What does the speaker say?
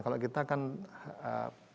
kalau kita kan pelayanan